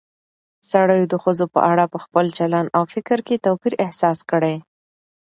سړيو د ښځو په اړه په خپل چلن او فکر کې توپير احساس کړى